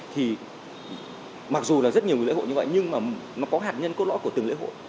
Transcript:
thì mặc dù là rất nhiều lễ hội như vậy nhưng mà nó có hạt nhân cốt lõi của từng lễ hội